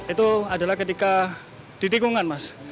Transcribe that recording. itu adalah ketika di tikungan mas